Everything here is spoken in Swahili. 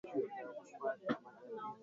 ameendelea kumshinikiza lauren badgbo kuondo